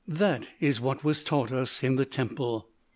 "That is what was taught us in the temple.